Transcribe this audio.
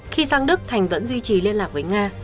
khi sang đức thành vẫn duy trì liên lạc với nga